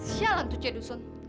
sialan tuh cedusun